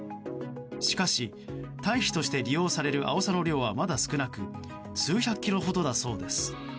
しかし、堆肥として利用されるアオサの量はまだ少なく数百キロほどだそうです。